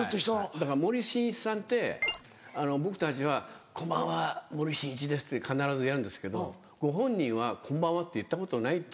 だから森進一さんって僕たちは「こんばんは森進一です」って必ずやるんですけどご本人は「こんばんは」って言ったことないって。